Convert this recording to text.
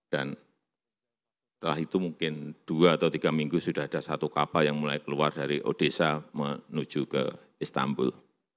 dan setelah itu mungkin dua atau tiga minggu sudah ada satu kapal yang mulai keluar dari odessa menuju ke istanbul